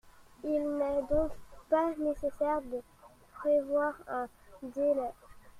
Il n’est donc pas nécessaire de prévoir un délai.